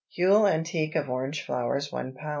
Huile antique of orange flowers 1 lb.